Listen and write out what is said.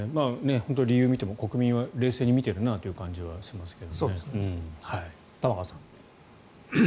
理由を見ても国民は冷静に見てるなという感じはしますけど玉川さん。